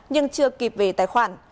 nhưng chưa kịp về tài khoản